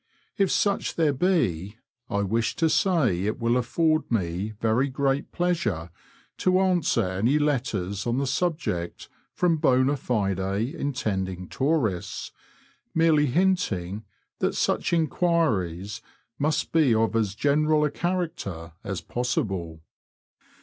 If such there be, I wish to say it wiU a ford me very great pleasure to cmswer any letters on the subject from ^ bona fide intending tourists, merely hinting that such enquiries , must be of as general a character as possible.